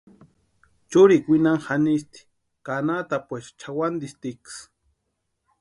Churikwa winhani janisti ka anhatapuecha chʼawantistiksï.